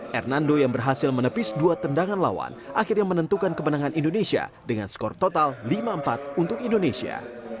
hernando yang berhasil menepis dua tendangan lawan akhirnya menentukan kemenangan indonesia dengan skor total lima empat untuk indonesia